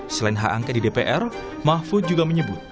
selain hak angket di dpr mahfud juga menyebut